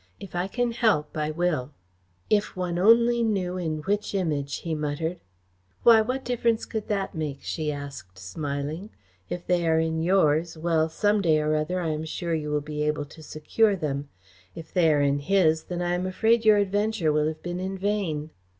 If I can help I will." "If one only knew in which Image!" he muttered. "Why, what difference could that make?" she asked, smiling. "If they are in yours, well, some day or other I am sure you will be able to secure them. If they are in his, then I am afraid your adventure will have been in vain."